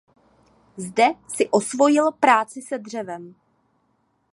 Zde si osvojil práci se dřevem.